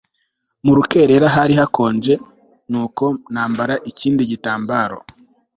Mu rukerera hari hakonje nuko nambara ikindi gitambaro